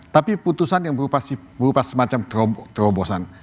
tapi putusan yang berupa semacam terobosan